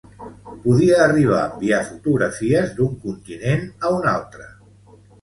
Podia arribar a enviar fotografies d'un continent a un altre.